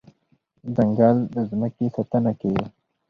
ځنګل د ځمکې ساتنه کوي.